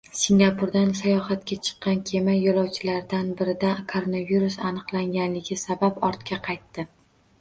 Singapurdan sayohatga chiqqan kema yo‘lovchilardan birida koronavirus aniqlangani sabab ortga qaytdi